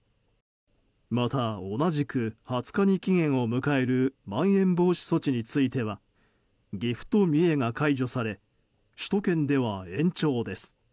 また同じく２０日に期限を迎えるまん延防止措置については岐阜と三重が解除され首都圏では延長です。